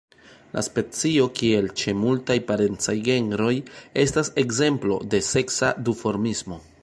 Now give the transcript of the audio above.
La specio, kiel ĉe multaj parencaj genroj, estas ekzemplo de seksa duformismo.